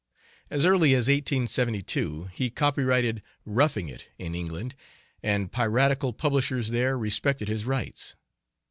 As early as 1872 he copyrighted 'Roughing It' in England, and piratical publishers there respected his rights.